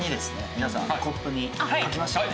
皆さんコップに書きましたかね？